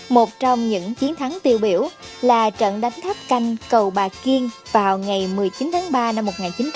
một trong những chiến thắng tiêu biểu là trận đánh tháp canh cầu bà kiên vào ngày một mươi chín tháng ba năm một nghìn chín trăm bảy mươi